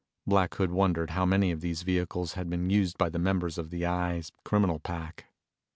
Black Hood wondered how many of these vehicles had been used by the members of the Eye's criminal pack.